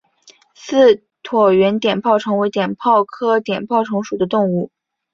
似椭圆碘泡虫为碘泡科碘泡虫属的动物。